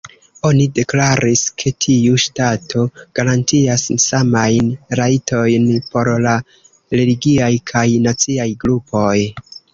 Oni deklaris, ke tiu ŝtato garantias samajn rajtojn por la religiaj kaj naciaj grupoj.